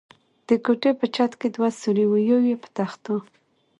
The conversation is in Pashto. د کوټې په چت کې دوه سوري و، یو یې په تختو.